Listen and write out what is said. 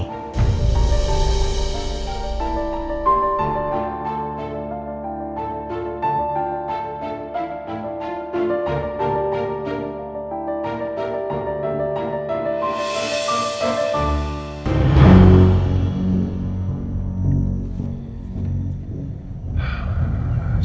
seperti di dalam bumi